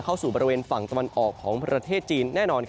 เข้าสู่บริเวณฝั่งตะวันออกของประเทศจีนแน่นอน